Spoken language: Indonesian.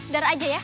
darah aja ya